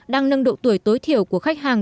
đang nâng độ tuổi tối thiểu của khách hàng